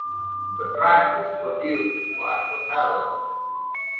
The track was produced by Othello.